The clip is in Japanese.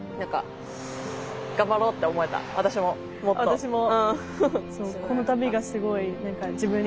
私も。